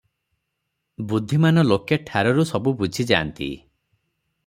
ବୁଦ୍ଧିମାନ ଲୋକେ ଠାରରୁ ସବୁ ବୁଝିଯାନ୍ତି ।